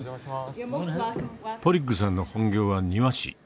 ポリッグさんの本業は庭師。